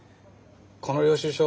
この領収書